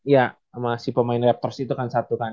ya sama si pemain laptos itu kan satu kan